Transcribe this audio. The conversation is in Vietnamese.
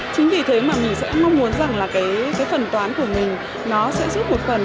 chính vì thế mà mình sẽ mong muốn rằng là cái phần toán của mình nó sẽ giúp một phần